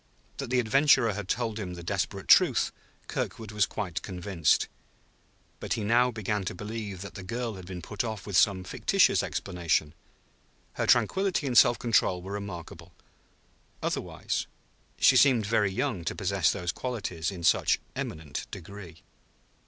That the adventurer had told him the desperate truth, Kirkwood was quite convinced; but he now began to believe that the girl had been put off with some fictitious explanation. Her tranquillity and self control were remarkable, otherwise; she seemed very young to possess those qualities in such eminent degree.